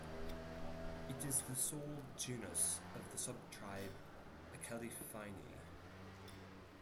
It is the sole genus of the subtribe Acalyphinae.